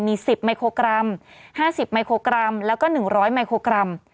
มี๑๐ไมโครกรัม๕๐มิโครกรัมแล้วก็๑๐๐ไมโครกรัม